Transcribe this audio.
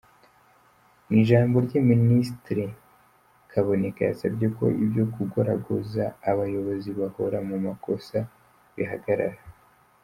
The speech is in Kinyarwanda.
Mu ijambo rye, Minisitiri Kaboneka yasabye ko ibyo kugoragoza abayobozi bahora mu makosa bihagarara.